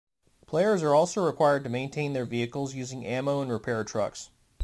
Players are also required to maintain their vehicles using ammo and repair trucks.